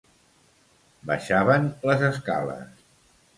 Baixaven les escales.